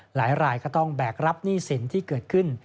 หลายรายก็ต้องแบกรับหนี้สินที่เกิดขึ้น